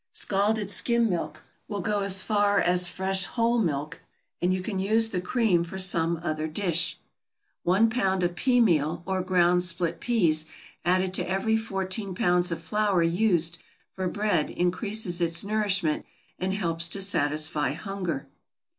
Scalded skim milk will go as far as fresh whole milk, and you can use the cream for some other dish. One pound of pea meal, or ground split peas, added to every fourteen pounds of flour used for bread increases its nourishment, and helps to satisfy hunger.